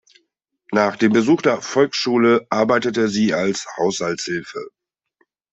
Nach dem Besuch der Volksschule arbeitete sie als Haushaltshilfe.